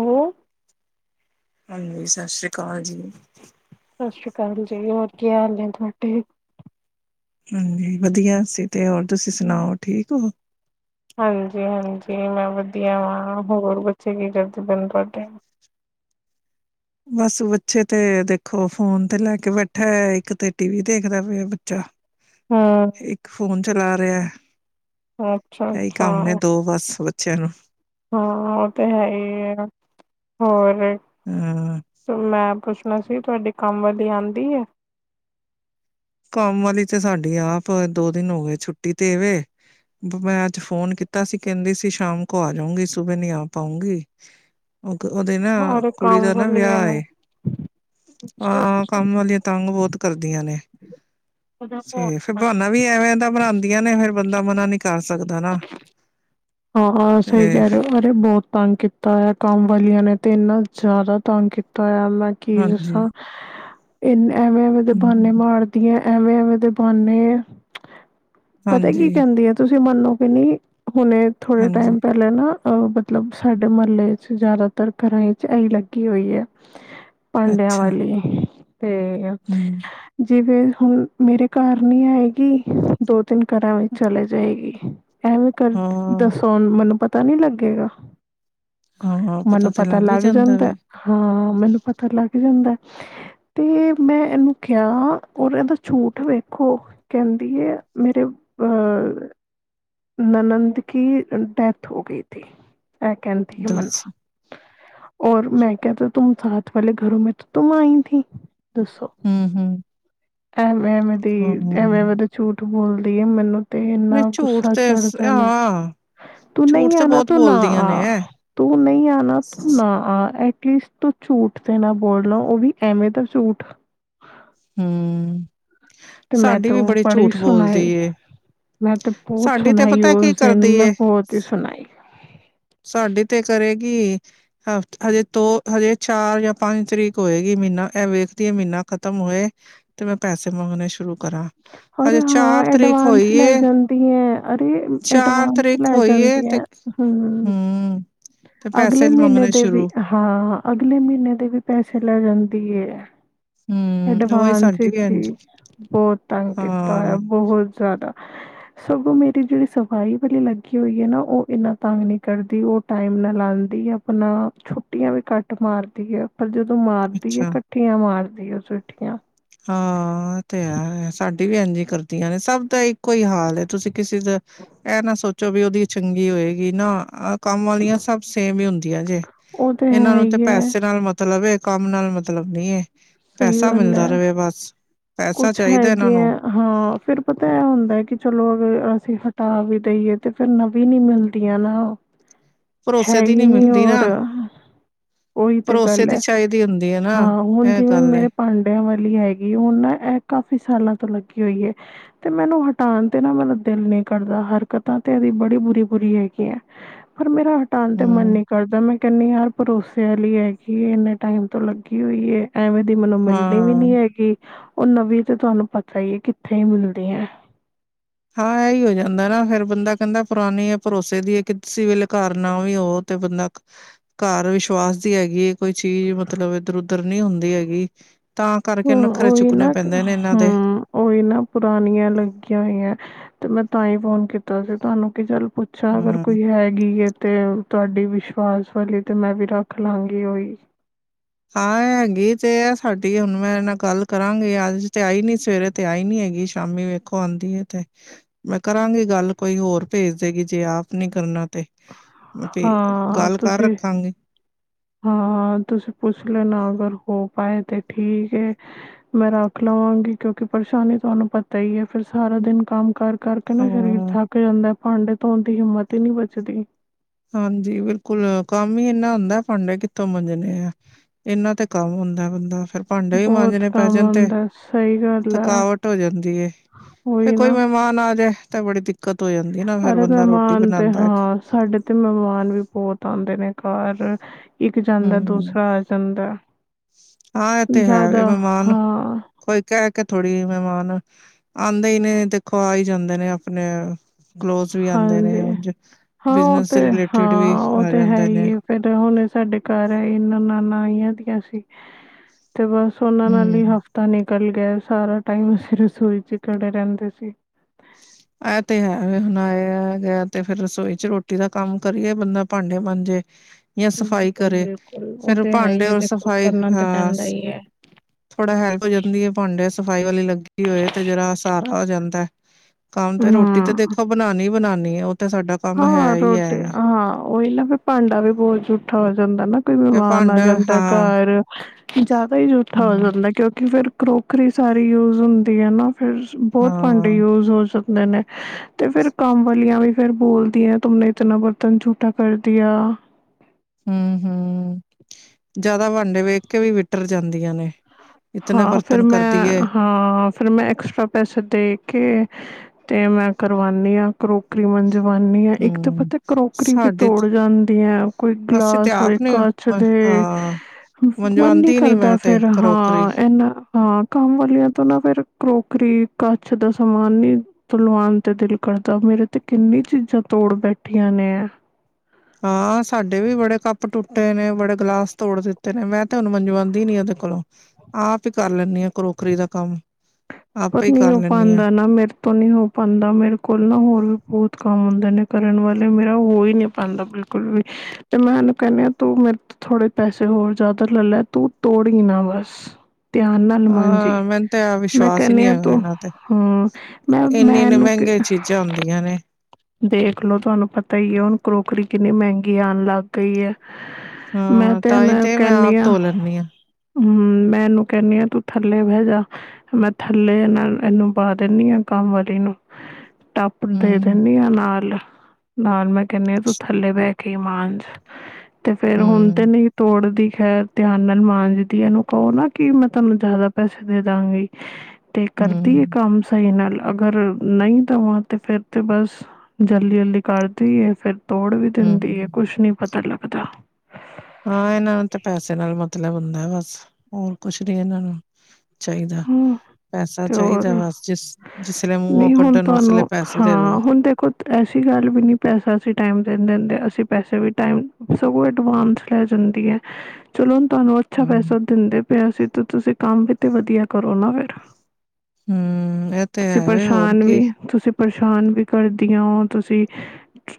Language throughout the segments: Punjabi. ਹੈਲੋ। ਹਾਂਜੀ, ਸਤਿ ਸ੍ਰੀ ਅਕਾਲ ਜੀ। ਸਤਿ ਸ਼੍ਰੀ ਅਕਾਲ ਜੀ, ਹੋਰ ਕੀ ਹਾਲ ਏ ਤੁਹਾਡੇ? ਹਾਂਜੀ। ਵਧੀਆ ਅਸੀ ਤੇ ਹੋਰ ਤੁਸੀਂ ਸੁਣਾਓ ਠੀਕ ਹੋ।? ਹਾਂਜੀ-ਹਾਂਜੀ। ਮੈਂ ਵਧੀਆ ਵਾਂ ਹੋਰ ਬੱਚੇ ਕੀ ਕਰਦੇ ਪਏ ਨੇ ਤੁਹਾਡੇ? ਬਸ ਬੱਚੇ ਤੇ ਦੇਖੋ ਫੋਨ ਤੇ ਲੈ ਕੇ ਬੈਠਾ ਐ। ਏਕ ਤੇ ਟੀ ਵੀ ਦੇਖਦਾ ਪਿਆ ਬੱਚਾ। ਹੂੰ, ਏਕ ਫੋਨ ਚਲਾ ਰਿਹਾ। ਇਹੀ ਅੱਛਾ-ਅੱਛਾ, ਕੰਮ ਨੇ ਦੋ ਬਸ ਬੱਚਿਆਂ ਨੂੰ। ਹਾਂ ਓ ਤੇ ਹੈ ਹੀ ਆ ਹੋਰ ਹਾਂ। ਮੈਂ ਪੁੱਛ ਵੈਸੇ ਤੁਹਾਡੇ ਕੰਮ ਵਾਲੀ ਆਂਦੀ ਏ? ਕੰਮ ਵਾਲੀ ਤੇ ਸਾਡੀ ਆਪ ਦੋ ਦਿਨ ਹੋ ਗਏ ਛੁੱਟੀ ਤੇ ਵੇ। ਮੈਂ ਅੱਜ ਫੋਨ ਕੀਤਾ ਸੀ। ਕਹਿੰਦੀ ਸੀ ਸ਼ਾਮ ਕੋ ਆ ਜਾਊਗੀ। ਸੁਬੇ ਨੀ ਆ ਪਾਊਂਗੀ। ਉਹਦੇ ਨਾ ਅਰੇ ਕੁੜੀ ਕੰਮ ਦਾ ਨਾ ਵਾਲੀ ਐ ਵਿਆਹ ਏ। ਆਹ, ਅੱਛਾ-ਅੱਛਾ। ਕੰਮ ਵਾਲੀਆਂ ਤੰਗ ਬੋਤ ਕਰਦੀਆਂ ਨੇ ਤੇ ਫਿਰ ਬਹਾਨਾ ਵੀ ਐਵੇਂ ਦਾ ਬਨਾਦੀਆਂ ਨੇ ਫੇਰ ਬੰਦਾ ਮਨਾ ਨੀ ਕਰ ਸਕਦਾ ਨਾ। ਹਾਂ ਸਹੀ ਤੇ ਕੇਹ ਰਹੇ ਹੋ। ਅਰੇ ਬੋਤ ਤੰਗ ਕੀਤਾ ਹੋਇਆ ਕੰਮ ਵਾਲੀਆਂ ਨੇ ਤੇ ਇੰਨਾ ਜ਼ਿਆਦਾ ਤੰਗ ਕੀਤਾ ਹੋਯਾ। ਕੀ ਹਾਂਜੀ ਦਸਾ। ਇਨੇ ਐਵੇਂ- ਐਵੇਂ ਦੇ ਬਾਨੇ ਹੂੰ ਮਾਰਦੀ ਐ, ਐਵੇਂ- ਐਵੇਂ ਦੇ ਬਾਨੇ ਪਤਾ ਕੀ ਹਾਂਜੀ, ਕਹਿੰਦੀ ਆ। ਤੁਸੀਂ ਮੰਨੋਗੇ ਨੀ ਹੁਣੇ ਥੋੜੇ ਹਾਂਜੀ ਟਾਈਮ ਪੇਲ ਪੇਲਾ ਨਾ ਅਹ ਮਤਲਬ ਸਾਡੇ ਮਹੱਲੇ ਚ ਜ਼ਿਆਦਾਤਰ ਘਰਾਂ ਚ ਇਹੀ ਲੱਗੀ ਹੋਈ ਐ। ਭਾਂਡਿਆਂ ਅੱਛਾ ਵਾਲੀ ਤੇ ਹੂੰ ਜਿਵੇਂ ਹੁਣ ਮੇਰੇ ਘਰ ਨੀ ਆਏਗੀ, ਦੋ-ਤਿੰਨ ਘਰਾਂ ਵਿੱਚ ਚਲੇ ਜਾਏਗੀ। ਐਵੇਂ ਕਰ, ਹਾਂ, ਦੱਸੋ ਮੈਨੂੰ ਪਤਾ ਨੀ ਲੱਗੇਗਾ। ਹਾਂ ਮੈਨੂੰ ਤੇ ਪਤਾ ਹੀ ਲੱਗ ਜਾਂਦਾ। ਵੇ ਹਾਂ, ਮੈਨੂੰ ਪਤਾ ਲੱਗ ਜਾਂਦਾ। ਤੇ ਮੈਂ ਏਨੂੰ ਕਿਹਾ ਔਰ ਏਦਾ ਝੂਠ ਵੇਖੋ। ਕੇਨਦੀ ਐ, ਮੇਰੇ ਅਹ ਨਨੰਦ ਦੀ ਕੀ ਡੈਥ ਹੋ ਗਈ ਥੀ, ਇਹ ਕਹਿੰਦੀ ਏ ਮੈਨੂੰ। ਦੱਸ ਔਰ ਮੈਂ ਕਿਹਾ ਤਾਂ ਤੁਮ ਸਾਥ ਵਾਲੇ ਘਰੋਂ ਮੈਂ ਤੋ ਤੁਮ ਆਈ ਥੀ ਦੱਸੋ। ਹੂ ਹੂ ਐਵੇਂ -ਐਵੇਂ ਦੀ, ਐਵੇਂ -ਐਵੇਂ ਤਾਂ ਝੂਠ ਬੋਲਦੀ ਹੈ। ਮੈਨੂੰ ਤੇ ਨਹੀਂ ਇੰਨਾ ਝੂਠ ਗੁੱਸਾ ਤੇ ਸ ਚੜ੍ਹਦਾ ਨਾ ਹਾਂ ਤੂੰ ਝੂਠ ਨਹੀਂ ਤੇ ਆਨਾ ਬਹੁਤ ਤੂੰ ਨਾ ਬੋਲਦੀਆਂ ਨੇ ਐ ਆ- ਤੂੰ ਨਹੀਂ ਆਣਾ ਤੂੰ ਨਾ ਹਾਂ। ਐਟਲੀਸਟ ਤੂੰ ਝੂਠ ਦੇ ਨਾਲ ਬੋਲੋ, ਉਹ ਵੀ ਐਵੇਂ ਦਾ ਝੂਠ ਹੂਮ ਤੇ ਮੈਂ ਤ ਪੜ੍ਹੀ ਝੂਠ ਬੋਲਦੀ ਸੁਣਾਈ, ਏ ਮੈਂ ਤ ਬਹੁਤ ਸਾਡੀ ਤੇ ਸੁਣਾਈ। ਪਤਾ ਕੀ ਉਸ ਦਿਨ ਕਰਦੀ ਮੈਂ ਬਹੁਤ ਹੀ ਸੁਣਾਈ। ਸਾਡੇ ਤੇ ਕਰੇਗੀ। ਹ ਹਜੇ ਤੋ ਹਜੇ ਚਾਰ ਜਾਂ ਪੰਜ ਤਰੀਕ ਹੋਏਗੀ ਮਹੀਨਾ ਇਹ ਵੇਖਦੀਏ ਮਹੀਨਾ ਖਤਮ ਹੋਏ। ਤੇ ਮੈਂ ਪੈਸੇ ਮੰਗਣੇ ਸ਼ੁਰੂ ਕਰਾਂ ਅਰੇ ਹਜੇ ਹਾਂ। ਚਾਰ ਤਰੀਕ ਐਡਵਾਂਸ ਲੈ ਹੋਈਏ ਜਾਂਦੀ ਹੈ, ਅਰੇ ਚਾਰ ਐਡਵਾਂਸ ਤਰੀਕ ਲੈ ਹੋਈਏ ਜਾਂਦੀ ਤੇ ਹੈ ਹਮ, ਤੇ ਪੈਸੇ ਅਗਲੇ ਮਹੀਨੇ ਮੰਗਣੇ ਦੇ ਵੀ ਸ਼ੁਰੂ ਹਾਂ, ਅਗਲੇ ਮਹੀਨੇ ਦੇ ਵੀ ਪੈਸੇ ਲੈ ਜਾਂਦੀ ਹੈ। ਹਮ ਉਹੀ ਐਡਵਾਂਸ ਸਾਡੀ ਵੀ ਵਿੱਚ ਹੀ, ਹਾਂਜੀ ਬਹੁਤ ਤੰਗ ਕੀਤਾ ਹੋਇਆ। ਹਾਂ ਬਹੁਤ ਜ਼ਿਆਦਾ ਸਗੋਂ ਮੇਰੀ ਜਿਹੜੀ ਸਫਾਈ ਵਾਲੀ ਲੱਗੀ ਹੋਈ ਹੈ ਨਾ, ਉਹ ਇੰਨਾ ਤੰਗ ਨਹੀਂ ਕਰਦੀ ਉਹ ਟਾਈਮ ਨਾਲ ਆਉਂਦੀ ਆਪਣਾ, ਛੁੱਟੀਆਂ ਵੀ ਘੱਟ ਮਾਰਦੀ ਹੈ। ਪਰ ਜਦੋਂ ਮਾਰਦੀ, ਅੱਛਾ ਇਕੱਠੀਆਂ ਮਾਰਦੀ ਆ ਛੁੱਟੀਆਂ ਹਾਂ ਇਹ ਤੇ ਹੈ, ਸਾਡੀ ਵੀ ਇੰਝ ਕਰਦੀਆਂ ਨੇ ਸਭ ਦਾ ਇੱਕੋ ਹੀ ਹਾਲ ਤੁਸੀਂ ਕਿਸੇ ਦਾ ਇਹ ਨਾ ਸੋਚੋ ਵੀ ਉਹਦੀ ਚੰਗੀ ਹੋਏਗੀ। ਨਾ ਕੰਮ ਵਾਲੀਆਂ ਸਭ ਸੇਮ ਹੀ ਹੁੰਦੀਆਂ ਜੇ, ਉਹ ਇਹਨਾਂ ਹੈ ਨੂੰ ਤੇ ਹੀ ਹੈ, ਪੈਸੇ ਨਾਲ ਮ ਮਤਲਬ ਇਹ, ਕੰਮ ਨਾਲ ਮਤਲਬ ਨੀ, ਸਹੀ ਪੈਸਾ ਗੱਲ ਮਿਲਦਾ ਹੈ। ਰਵੇ ਬਸ ਪੈਸਾ ਕੁਛ ਚਾਹੀਦਾ ਇਹਨਾਂ ਹੈਗੇ ਆ। ਨੂੰ ਹਾਂ ਫੇਰ ਪਤਾ ਇਹ ਹੁੰਦਾ ਹੈ ਕਿ ਚਲੋ ਅਗਰ ਅਸੀਂ ਹਟਾ ਵੀ ਦੇਈਏ ਤੇ ਫਿਰ ਨਵੀਂ ਨੀ ਮਿਲਦੀ। ਮਿਲਦੀਆਂ ਨਾ, ਭਰੋਸੇ ਹੈ ਦੀ ਹੀ ਨੀ ਮਿਲਦੀ ਹੋਰ ਨਾ ਉਹੀ ਤੇ ਭਰੋਸੇ ਪਹਿਲੇ, ਹਾਂ ਹੁਣ ਜੀ ਤਲ ਏ ਭਾਂਡਿਆਂ ਵਾਲੀ ਹੈਗੀ, ਹੁਣ ਨਾ ਇਹ ਕਾਫੀ ਸਾਲਾਂ ਤੋਂ ਲੱਗੀ ਹੋਈ ਹੈ। ਤੇ ਮੈਨੂੰ ਹਟਾਉਣ ਤੇ ਨਾ ਮੈਨੂੰ ਦਿਲ ਨੀ ਕਰਦਾ, ਹਰਕਤਾਂ ਤੇ ਇਹਦੀ ਬੜੀ ਬੁਰੀ ਬੁਰੀ ਹੈਗੀ ਹੈ। ਪਰ ਮੇਰਾ ਹਟਾਉਣ ਤੇ ਮਨ ਹੂੰ ਨੀ ਕਰਦਾ, ਮੈਂ ਕਹਿੰਨੀ ਯਾਰ ਭਰੋਸ-' ਭਰੋਸੇ ਵਾਲੀ ਹੈਗੀ, ਇੰਨੇ ਟਾਈਮ ਤੋਂ ਲੱਗੀ ਹੋਈ, ਐਵੇਂ ਦੀ ਮੈਨੂੰ ਮਿਲਣੀ ਵੀ ਹਾਂ। ਨੀ ਹੈਗੀ। ਉਹ ਨਵੀਂ ਤੇ ਤੁਹਾਨੂੰ ਪਤਾ ਹੀ ਹੈ, ਕਿੱਥੇ ਹੀ ਮਿਲਦੀ ਹੈ। ਹਾਂ ਇਹੀ ਹੋ ਜਾਂਦਾ ਨਾ ਫਿਰ ਬੰਦਾ ਕਹਿੰਦਾ ਪੁਰਾਣੀ ਹੈ ਭਰੋਸੇ ਦੀ ਹੈ, ਕਿਸੇ ਵੇਲੇ ਘਰ ਨਾ ਵੀ ਹੋ। ਤੇ ਬੰਦਾ ਘਰ ਵਿਸ਼ਵਾਸ ਦੀ ਹੈਗੀ ਹੈ ਕੋਈ ਚੀਜ਼ ਮਤਲਬ ਇੱਧਰ- ਉਧਰ ਨਹੀ ਹੁੰਦੀ ਹੈਗੀ। ਤਾਂ ਕਰਕੇ ਹੁਣ ਨਖਰੇ ਉਹੀ ਨਾ ਚੁੱਕਣੇ ਪੈਂਦੇ ਨੇ ਇਹਨਾਂ ਦੇ ਹੂੰ ਉਹੀ ਨਾ ਪੁਰਾਣੀਆਂ ਲੱਗੀਆਂ ਹੋਈਆਂ ਹੈ ਤੇ ਮੈਂ ਤਾਂ ਹੀ ਫੋਨ ਕੀਤਾ ਸੀ ਤੁਹਾਨੂੰ ਕੀ ਚੱਲ ਪੁ ਅੱਛਾ ਅਗਰ ਹੂੰ। ਕੋਈ ਹੈਗੀ ਤੇ ਤੁਹਾਡੀ ਵਿਸ਼ਵਾਸ ਵਾਲੀ ਤੇ ਮੈਂ ਵੀ ਰੱਖ ਲਵਾਂਗੀ ਉਹੀ ਹਾਂ ਹੈਗੀ ਤੇ ਸਾਡੀ ਹੁਣ ਮੈਂ ਇਹਦੇ ਨਾਲ ਗੱਲ ਕਰਾਂਗੀ ਅੱਜ ਤੇ ਆਈ ਨੀ ਸਵੇਰੇ ਤੇ ਆਈ ਨੀ ਹੈਗੀ, ਸ਼ਾਮੀ ਵੇਖੋ ਆਉਂਦੀ ਤੇ ਮੈਂ ਕਰਾਂਗੀ ਗੱਲ ਕੋਈ ਹੋਰ ਭੇਜ ਦੇਗੀ ਜੇ ਆਪ ਨਹੀ ਕਰਨਾ ਤੇ ਤੇੇ, ਹਾਂ ਗੱਲ ਕਰ ਤੁਸੀਂ ਰੱਖਾਂਗੀ। ਹਾਂ ਤੁਸੀਂ ਪੁੱਛ ਲੈਣਾ, ਅਗਰ ਹੋ ਪਾਏ ਤੇ ਠੀਕ ਹੈ। ਮੈਂ ਰੱਖ ਲਵਾਂਗੀ, ਕਿਉਂਕਿ ਪਰੇਸ਼ਾਨੀ ਤੁਹਾਨੂੰ ਪਤਾ ਹੀ ਹੈ ਫਿਰ ਸਾਰਾ ਦਿਨ ਕੰਮ ਕਰ ਕਰਕੇ ਨਾ ਸਰੀਰ ਹਾਂ, ਥੱਕ ਜਾਂਦਾ ਭਾਂਡੇ ਧੋਣ ਦੀ ਹਿੰਮਤ ਹੀ ਨਹੀ ਬਚੱਦੀ। ਹਾਂਜੀ ਬਿਲਕੁੱਲ ਕੰਮ ਹੀ ਏਨਾ ਹੁੰਦਾ ਪਾਂਡੇ ਕਿੱਥੋਂ ਮੰਜਣੇ ਆ। ਏਨਾਂ ਤੇ ਕੰਮ ਹੁੰਦਾ ਬੰਦਾ ਫਿਰ ਪਾਂਡੇ ਵੀ ਬਹੁਤ ਮਾਂਜਣੇ ਪੈ ਕੰਮ ਜਾਣ ਤੇ ਆਉਂਦਾ ਸਹੀ ਗੱਲ ਹੈ ਥਕਾਵਟ ਹੋ ਜਾਂਦੀ ਏ। ਫਿਰ ਉਹੀ ਕੋਈ ਨਾ ਮਹਿਮਾਨ ਆ ਜਾਏ ਤਾਂ ਬੜੀ ਦਿੱਕਤ ਹੋ ਜਾਂਦੀ ਏ ਨਾ ਫੇਰ ਅਰੇ ਬੰਦਾ ਰੋਟੀ ਮਹਿਮਾਨ ਤੇ ਬਣਾਦਾ। ਹਾਂ ਸਾਡੇ ਤੇ ਮੇਮਾਨ ਵੀ ਬੋਤ ਆਉਂਦੇ ਨੇ ਕਾਰ- ਇੱਕ ਜਾਂਦਾ ਹੂੰ। ਦੂਸਰਾ ਆ ਜਾਂਦਾ ਹਾਂ, ਇਹ ਤੇ ਹੈ ਵੇ ਜ਼ਿਆਦਾ ਮਹਿਮਾਨ ਹਾਂ ਕੋਈ ਕਹਿ ਕੇ ਥੋੜ੍ਹੀ ਮੇਮਾਨ ਆਦੇ ਹੀ ਨੇ ਦੇਖੋ ਆ ਹੀ ਜਾਂਦੇ ਨੇ ਅਪਣੇ ਕਲੋਜ ਵੀ ਆਂਦੇ ਨੇ ਹਾਂਜੀ ਹਾਂ ਉਹ ਬਿਜਨਸ ਤੇ ਦੇ ਹਾਂ ਰਿਲੇਟਿਡ ਵੀ ਉਹ ਆ ਤੇ ਹੈ ਜਾਂਦੇ ਹੀ ਨੇ। ਹੈ ਫਿਰ ਹੁਣ ਸਾਡੇ ਘਰ ਆਏ ਨਣਾਨਾ ਆਇਆ ਦੀਆਂ ਸੀ। ਤੇ ਬਸ ਉਨਾਂ ਨਾਲ ਹੀ ਹੂੰ ਹਫ਼ਤਾ ਨਿਕਲ ਗਿਆ ਸਾਰਾ ਟਾਈਮ ਅਸੀਂ ਰਸੋਈ ਚ ਖੜੇ ਰੈਂਦੇ ਸੀ। ਐ ਤੇ ਹੈ ਵੇ ਹੁਣ ਆਇਆ ਗਯਾ ਤੇ ਫਿਰ ਰਸੋਈ ਚ ਰੋਟੀ ਦਾ ਕੰਮ ਕਰੀਏ ਬੰਦਾ ਪਾਡੇ ਮਾੰਜੇ ਬਿਲਕੁੱਲ-ਬਿਲਕੁੱਲ ਓ ਫਿਰ ਤੇ ਹੈ ਈ ਭਾਂਡੇ ਏ ਔਰ ਦੇਖੋ ਸਫ਼ਾਈ ਕਰਨਾ ਤੇ ਹਾਂ ਪੈਂਦਾ ਈ ਐ। ਥੋੜਾ ਹੈਲਪ ਹੋ ਜਾਂਦੀ ਏ ਪਾਂਡੇ ਸਫ਼ਾਈ ਵਾਲੀ ਲੱਗੀ ਹੋਏ ਤੇ ਜਰਾ ਸਾਰਾ ਹੋ ਜਾਂਦਾ। ਕੰਮ ਤੇ ਰੋਟੀ ਤੇ ਹਮ ਦੇਖੋ ਬਣਾਨੀ ਬਣਾਨੀ ਏ ਓ ਤੇ ਸਾਡਾ ਕੰਮ ਹੈ ਹਾਂ ਹੀ ਰੋਟੀ ਹੈ ਹਾਂ ਉਈਯ ਨਾ ਫਿਰ ਪਾਂਡਾ ਵੀ ਬੋਤ ਝੂਠਾ ਹੋ ਜਾਂਦਾ ਨਾ। ਕੋਈ ਤੇ ਮੇਮਾਨ ਆ ਭਾਂਡਾ ਜਾਂਦਾ ਹਾਂ ਘਰ ਜ਼ਿਆਦਾ ਹੀ ਜੂਠਾ ਹੋ ਹੂੰ ਜਾਂਦਾ ਕਿਉਂਕਿ ਫਿਰ ਕਰੋਕਰੀ ਸਾਰੀ ਯੂਜ ਹੁੰਦੀ ਏ ਨਾ। ਫਿਰ ਬਹੁਤ ਹਾਂ ਪਾਂਡੇ ਯੂਜ ਹੋ ਜਾਂਦੇ ਨੇ ਤੇ ਫੇਰ ਕੰਮ ਵਾਲੀਆਂ ਵੀ ਫਿਰ ਬੋਲਦੀਆਂ ਤੂੰਮਨੇ ਇਤਨਾ ਬਰਤਨ ਝੂਠਾ ਕਰਦੀਆ। ਹੂੰ-ਹੂੰ ਜਿਆਦਾ ਪਾਂਡੇ ਵੇਖ ਕੇ ਵੀ ਵਿਟਰ ਜਾਂਦੀਆਂ ਨੇ। ਇਤਨੇ ਹਾਂ ਫਿਰ ਬਰਤਨ ਮੈਂ ਕਰਦੀਏ ਹਾਂ ਫਿਰ ਮੈਂ ਐਕਸਟਰਾ ਪੈਸੇ ਦੇ ਕੇ ਤੇ ਮੈਂ ਕਰਵਾਨੀ ਆ। ਕਰੋਕਰੀ ਮਨਜਵਾਨੀ ਆ ਇੱਕ ਤਾਂ ਹੂੰ ਪਤਾ ਕਰੋਕਰੀ ਵੀ ਸਾਡੇ ਤੋੜ ਜਾਂਦੀਯਾਂ ਕੋਈ ਅਸੀਂ ਤੇ ਗਲਾਸ ਹੋਏ ਆਪ ਨੇ ਕਚ ਦੇ ਹਾਂ ਮਨ ਨੀ ਮੰਜਵਾਉਂਦੀ ਕਰਦਾ ਮੈਂ ਤੇ ਫੇਰ ਕਰੋਕਰੀ ਹਾਂ ਐ ਹਾਂ ਕੰਮ ਵਾਲੀਆਂ ਤੋਂ ਨਾ ਫੇਰ ਕਰੋਕਰੀ ਕਚ ਦਾ ਸਮਾਨ ਨੀ ਤੂਲਵਾਨ ਤੇ ਦਿਲ ਕਰਦਾ ਮੇਰੀ ਤੇ ਕਿੰਨੀ ਚੀਜ਼ਾਂ ਤੋੜ ਬੈਠੀਆਂ ਨੇ। ਹਾਂ ਸਾਡੇ ਵੀ ਬੜੇ ਕੱਪ ਟੁੱਟੇ ਨੇ ਬੜੇ ਗਲਾਸ ਤੋੜ ਦਿੱਤੇ ਨੇ ਮੈਂ ਤੇ ਹੁਨ ਮੰਜਵਾਦੀ ਨੀ ਏਦੇ ਕੋਲੋਂ। ਆਪ ਈ ਕਰ ਲੈਣੀ ਆ ਕਰੋਕਰੀ ਦਾ ਕੰਮ ਪਰ ਆਪੇ ਹੀ ਨਹੀਂ ਕਰ ਹੋ ਲੈਂਦੀ ਹਾਂ ਪਾਂਦਾ ਨਾ ਮੇਰੇ ਤੋਂ ਨਹੀਂ ਹੋ ਪਾਂਦਾ ਮੇਰੇ ਕੋਲ ਨਾ ਹੋਰ ਵੀ ਬੋਹਤ ਕੰਮ ਹੁੰਦੇ ਨੇ ਕਰਨ ਵਾਲੇ ਮੇਰਾ ਹੋ ਹੀ ਨਹੀਂ ਪਾਂਦਾ ਬਿਲਕੁੱਲ। ਕੁਲ ਵੀ ਤੇ ਮੈਂ ਇਹਨੂੰ ਕੈਣੀ ਆ ਤੂੰ ਮੇਰੇ ਤੋ ਥੋੜੇ ਪੈਸੇ ਹੋਰ ਜ਼ਿਆਦਾ ਲੈ ਲੈ ਤੂੰ ਤੋੜੀ ਨਾ ਬਸ। ਧਿਆਨ ਨਾਲ ਹਾਂ ਮੈਂਨ ਤੇ ਆਪ ਵਿਸ਼ ਕਹਿੰਨੀ ਆ ਤੂੰ ਹੂੰ ਮੈਂ ਇੰਨੇ ਮੈਂ ਇੰਨੇ ਇਹਨੂੰ ਤੇ ਮਹਿੰਗੇ ਚੀਜ਼ਾਂ ਹੁੰਦੀਆਂ ਨੇ ਦੇਖ ਲੋ ਤੁਹਾਨੂੰ ਪਤਾ ਇ ਏ ਹੁਨ ਕਰੋਕਰੀ ਕਿੰਨੀ ਮਹਿੰਗੀ ਆਨ ਲੱਗ ਗਈ ਐ। ਮੈਂ ਹਾਂ ਤੇ ਤਾਂ ਮੋ ਹੀ ਮੈਂ ਕਹਿੰਨੀ ਆਪ ਆ ਧੋ ਲੈਂਦੀ ਹਾਂ ਹੂੰ ਮੈਂ ਇਹਨੂੰ ਕੈਨੀ ਆ ਤੂੰ ਥੱਲੇ ਬੈ ਜਾ। ਮੈਂ ਥੱਲੇ ਇਹਨਾਂ ਇਹਨੂੰ ਬਾਂ ਦੇਣੀ ਆ ਕੰਮ ਵਾਲੀ ਨੂੰ ਟੱਪ ਦੇ ਦੇ ਹੂੰ ਦੇਨੀ ਆ ਨਾਲ ਨਾਲ ਮੈਂ ਕੈਹਨੀ ਆ ਤੂੰ ਥੱਲੇ ਬੈ ਕੇ ਕੇ ਮਾਂਜ ਤੇ ਫੇਰ ਹੁਨ ਤੇ ਹੂੰ ਨਹੀਂ ਤੋੜਦੀ ਖੈਰ ਧਿਆਨ ਨਾਲ ਮਾਂਜਦੀ ਏ ਇਹਨੂੰ ਕੋ ਨਾ ਕਿ ਮੈਂ ਤੈਨੂੰ ਜ਼ਿਆਦਾ ਪੈਸੇ ਦੇ ਦਾਂਗੀ ਤੇ ਕਰਦੀ ਏ ਹੂੰ ਕੰਮ ਸਹੀ ਨਾਲ ਅਗਰ ਨਹੀਂ ਦਵਾ ਤੇ ਫੇਰ ਤੇ ਬਸ ਜਲਦੀ-ਜਲਦੀ ਕਰਦੀ ਏ ਫਿਰ ਤੋੜ ਵੀ ਦਿੰਦੀ ਏ ਹੂੰ ਕੁਛ ਨੀ ਪਤਾ ਲੱਗਦਾ। ਹਾਂ ਇਹਨਾਂ ਨੂੰ ਤੇ ਪੈਸੇ ਨਾਲ ਮਤਲਬ ਹੁੰਦਾ ਬਸ ਹੋਰ ਕੁਛ ਨੀ ਇਹਨਾਂ ਨੂੰ ਚਾਹੀਦਾ। ਹੂੰ ਪੈਸਾ ਅਤੇ ਚਾਹੀਦਾ ਹੋਰ ਬਸ ਜਿਸ-ਜਿਸ ਲੇ ਮੂੰਹੋਂ ਨਹੀਂ ਹੁਣ ਕੱਢਨ ਓਸਲੇ ਤੁਹਾਨੂੰ ਪੈਸੇ ਦੇ ਦੋ। ਹਾਂ ਹੁਣ ਦੇਖੋ ਐਸੀ ਗੱਲ ਵੀ ਨਹੀਂ ਪੈਸਾ ਅਸੀਂ ਟਾਈਮ ਤੇ ਨੀ ਦਿੰਦੇ ਅਸੀਂ ਪੈਸੇ ਵੀ ਟਾਈਮ ਸਗੋਂ ਐਡਵਾਂਸ ਲੈ ਜਾਂਦੀਆ ਏ ਚਲੋ ਹੁਨ ਤੁਹਾਨੂੰ ਅੱਛਾ ਹੂੰ ਪੈਸਾ ਦਿੰਦੇ ਪਏ ਅਸੀ ਤੇ ਤੁਸੀਂ ਕੰਮ ਵੀ ਤੇ ਵਧੀਆ ਕਰੋ ਨਾ ਫਿਰ ਹੂੰ ਇਹ ਤੇ ਤੁਸੀਂ ਹੈ ਵੇ ਹੋਰ ਪਰੇਸ਼ਾਨ ਕੀ ਵੀ ਤੁਸੀਂ ਪਰੇਸ਼ਾਨ ਵੀ ਕਰਦੀਆਂ ਓ ਤੁਸੀਂ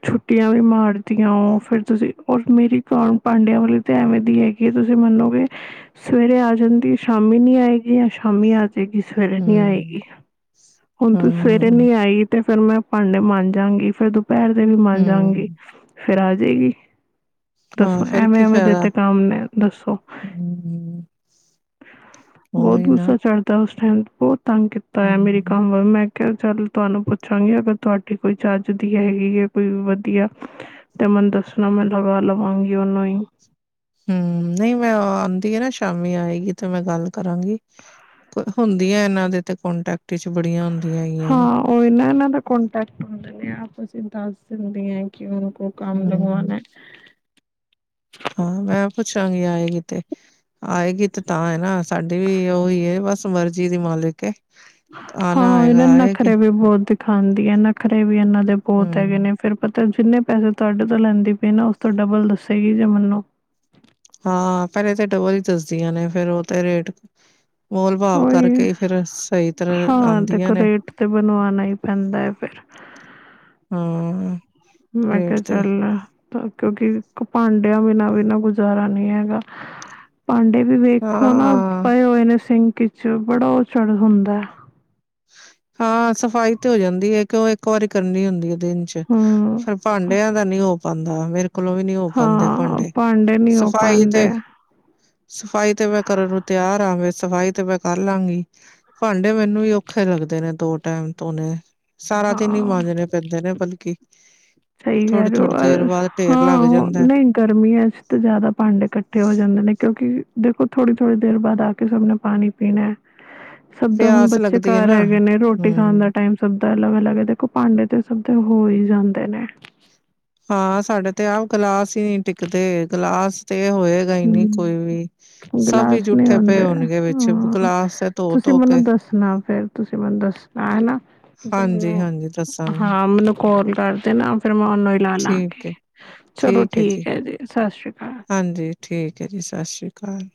ਛੁੱਟੀਆਂ ਵੀ ਮਾਰਦੀਆਂ ਓ ਫਿਰ ਤੁਸੀਂ ਔਰ ਮੇਰੀ ਕਾਮ ਪਾਂਡਿਆਂ ਵਾਲੀ ਤੇ ਐਵੇਂ ਦੀ ਹੈਗੀ ਏ ਤੁਸੀਂ ਮੰਨੋਗੇ ਸਵੇਰੇ ਆ ਜਾਂਦੀ ਏ ਸ਼ਾਮੀ ਨੀ ਆਏਗੀ ਯਾਂ ਸ਼ਾਮੀ ਆ ਜਾਏਗੀ ਸਵੇਰੇ ਨੀ ਹੂੰ ਆਏਗੀ ਹੁਨ ਤੂੰ ਸਵੇਰੇ ਹੂੰ ਨੀ ਆਈ। ਤੇ ਫਿਰ ਮੈਂ ਭਾਂਡੇ ਮਾਂਜਾਗੀ ਫੇਰ ਦੁਪੈਰ ਦੇ ਵੀ ਮਾਂਜਾਗੀ। ਹੂੰ ਫਿਰ ਆ ਜਾਏਗੀ ਹਾਂ ਦੱਸੋ ਫੇਰ ਐਵੇਂ-ਐਵੇਂ ਦੇ ਤੇ ਕੰਮ ਨੇ ਦੱਸੋ। ਹੂੰ-ਹੂੰ ਬੋਤ ਗੁੱਸਾ ਚੜਦਾ ਉਸ ਟਾਈਮ ਬੋਤ ਤੰਗ ਕੀਤਾ ਆ ਹੂੰ ਮੇਰੀ ਕੰਮ ਵਲ ਮੈ ਚੱਲ ਤੁਹਾਨੂੰ ਪੁੱਛਾਂਗੀ ਅਗਰ ਤੁਹਾਡੀ ਕੋਈ ਚੱਜ ਦੀ ਹੈਗੀ ਏ ਕੋਈ ਵਧੀਆ। ਤੇ ਮਨੂੰ ਦੱਸਨਾ ਮੈਂ ਲਗਾ ਲਵਾਂਗੀ ਓਹਨੂੰ ਈ। ਹੂੰ ਨਈ ਮੈਂ ਓ ਆਂਦੀ ਏ ਨਾ ਸ਼ਾਮੀ ਆਏਗੀ ਤੇ ਮੈਂ ਗੱਲ ਕਰਾਂਗੀ। ਹੁੰਦੀਆਂ ਇਹਨਾਂ ਦੇ ਤੇ ਕੋਂਟੈਕਟ 'ਚ ਬੜੀਆਂ ਹੁੰਦੀਆਂ ਹੈਗੀਆਂ ਨੇ। ਓਹੀ ਨਾ ਇਹਨਾਂ ਦਾ ਕੋਂਟੈਕਟ ਹੁੰਦੇ ਨੇ ਆਪਸ 'ਚ ਦੱਸ ਦਿੰਦਿਆ ਏ ਕਿ ਉਨਕੋ ਕਾਮ ਹੂੰ ਲਗਵਾਨਾ। ਹਾਂ ਮੈਂ ਪੁੱਛਾਂਗੀ ਆਏਗੀ ਤੇ ਆਏਗੀ ਤੇ ਤਾਂ ਏ ਨਾ ਸਾਡੀ ਵੀ ਓਹੀ ਏ ਬਸ ਮਰਜ਼ੀ ਦੀ ਮਾਲਿਕ ਏ। ਹਾਂ ਏਨਾਂ ਨਖਰੇ ਵੀ ਬੋਤ ਦਿਖਾਂਦੀ ਐ। ਨਖਰੇ ਵੀ ਏਨਾਂ ਦੇ ਬੋਤ ਹੈਗੇ ਹੂੰ। ਨੇ। ਫਿਰ ਪਤਾ ਜਿੰਨੇ ਪੈਸੇ ਤੁਹਾਡੇ ਤੋਂ ਲੈਂਦੀ ਪੀ ਐ ਨਾ ਉਸ ਤੋਂ ਡਬਲ ਦੱਸੇਗੀ ਜੇ ਮੈਨੂੰ ਹਾਂ ਪੈਲੇ ਤਾਂ ਡਬਲ ਈ ਦੱਸਦੀਆਂ ਨੇ ਫੇਰ ਓ ਤੇ ਰੇਟ ਮੋਲਭਾਵ ਉਹੀ ਕਰਕੇ ਈ ਫੇਰ ਸਹੀ ਤਰ੍ਹਾਂ ਹਾਂ ਆਂਦੀਆਂ ਦੇਖੋ ਨੇ। ਰੇਟ ਤੇ ਬਣਵਾਉਣਾ ਹੀ ਪੈਂਦਾ ਹੈ ਫਿਰ ਹਾਂ। ਮੈਂ ਕਿਆ ਰੇਟ ਤੇ ਚੱਲਣਾ। ਕਿਉਂਕਿ ਭਾਂਡਿਆਂ ਬਿਨਾਂ ਵੀ ਨ ਗੁਜ਼ਾਰਾ ਨੀ ਹੈਗਾ। ਭਾਂਡੇ ਵੀ ਵੇਖੋ ਨਾ ਹਾਂ। ਪਏ ਹੋਏ ਨੇ ਸਿੰਕ ਇਚ ਬੜਾ ਓ ਚੜ ਹੁੰਦਾ ਐ। ਹਾਂ ਸਫ਼ਾਈ ਤੇ ਹੋ ਜਾਂਦੀ ਏ ਕਿਉ ਏਕ ਵਾਰੀ ਕਰਨੀ ਹੁੰਦੀ ਏ ਦਿਨ 'ਚ ਹੂੰ ਫੇਰ ਭਾਂਡਿਆਂ ਦਾ ਨੀ ਹੋ ਪਾਂਦਾ ਮੇਰੇ ਕੋਲੋਂ ਵੀ ਨੀ ਹੋ ਪਾਂਦੇ ਹਾਂ ਭਾਂਡੇ ਨਹੀਂ ਹੋ ਸਫ਼ਾਈ ਤੇ ਪਾਉਂਦੇ ਸਫ਼ਾਈ ਤੇ ਮੈਂ ਕਰਨ ਨੂੰ ਤਿਆਰ ਆਂ ਸਫ਼ਾਈ ਤੇ ਮੈਂ ਕਰ ਲਾਂਗੀ। ਭਾਂਡੇ ਮੈਨੂੰ ਵੀ ਔਖ ਔਖੇ ਲੱਗਦੇ ਨੇ ਦੋ ਟਾਈਮ ਧੋਨੇ ਸਾਰਾ ਦਿਨ ਈ ਹਾਂ ਮਾਂਜਣੇ ਪੈਂਦੇ ਨੇ ਬਲਕਿ ਸਹੀ ਕਹਿ ਰਹੇ ਓ ਥੋੜ੍ਹੀ-ਥੋੜ੍ਹੀ ਅਰ ਦੇਰ ਬਾਅਦ ਢੇਰ ਲੱਗ ਹੂੰ ਜਾਂਦਾ। ਨਈ ਗਰਮੀਆਂ ਵਿੱਚ ਤੇ ਜਾਦਾ ਭਾਂਡੇ ਕੱਠੇ ਹੋ ਜਾਂਦੇ ਨੇ ਕਿਉਂਕਿ ਦੇਖੋ ਥੋੜੀ-ਥੋੜੀ ਦੇਰ ਬਾਦ ਆ ਕੇ ਸਭ ਨੇ ਪਾਣੀ ਪੀਣਾ ਐ ਸਭ ਦਾ ਹੁਣ ਪਿਆਸ ਬੱਚੇ ਲੱਗਦੀ ਹੈ ਘਰ ਨਾ ਹੈਗੇ ਨੇ ਰੋਟੀ ਖਾਣ ਦਾ ਹੂੰ। ਟਾਈਮ ਸਭ ਦਾ ਅਲੱਗ-ਅਲੱਗ ਏ ਦੇਖੋ ਭਾਂਡੇ ਤੇ ਸਭ ਦੇ ਹੋਈ ਜਾਂਦੇ ਨੇ। ਹਾਂ ਸਾਡੇ ਤੇ ਆਪ ਗਿਲਾਸ ਈ ਨੀ ਟਿਕਦੇ ਗਿਲਾਸ ਤੇ ਹੋਏ ਨੀ ਕੋਈ ਵੀ ਹਮ ਸਭ ਈ ਗਿਲਾਸ ਜੂਠੇ ਪਏ ਹੋਣਗੇ ਵਿੱਚ ਗਲਾਸ ਤੁਸੀ ਧੋ-ਧੋ ਕੇ। ਮੈਨੂੰ ਦੱਸਣਾ ਫੇਰ ਤੁਸੀ ਮੈਨੂੰ ਦੱਸਣਾ ਹੈਨਾ ਤੁਸੀ ਮੈਨੂੰ ਹਾਂਜੀ-ਹਾਂਜੀ ਦੱਸਾਂਗੀ ਹਾਂ ਮੈਨੂੰ ਕੋਲ ਕਰਦੇ ਨਾ ਫੇਰ ਮੈਂ ਓਨੂੰ ਈ ਲਾ ਲਾਂਗੀ ਠੀਕ ਹੈ, ਚਲੋ ਠੀਕ ਏ ਜੀ ਸਤਿ ਸ਼੍ਰੀ ਅਕਾਲ। ਹਾਂਜੀ ਠੀਕ ਏ ਜੀ ਸਤਿ ਸ਼੍ਰੀ ਅਕਾਲ।